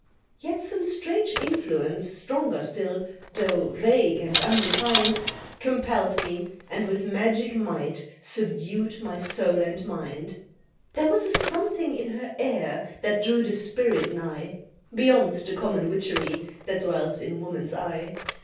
Yet some strange influence stronger still, though vague and undefin'd, Compell'd me, and with magic might subdued my soul and mind; There was a something in her air that drew the spirit nigh, Beyond the common witchery that dwells in woman's eye!